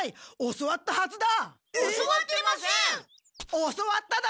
教わったはずだ！